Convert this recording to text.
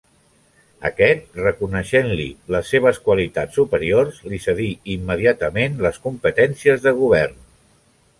Aquest, reconeixent-li les seves qualitats superiors, li cedí immediatament les competències de govern.